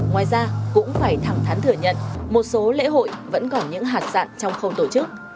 ngoài ra cũng phải thẳng thắn thừa nhận một số lễ hội vẫn còn những hạt sạn trong khâu tổ chức